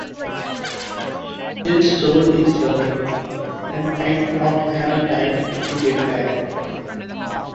His soul is away and might not have time to get back.